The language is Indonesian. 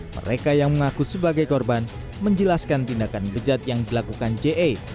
mereka yang mengaku sebagai korban menjelaskan tindakan bejat yang dilakukan je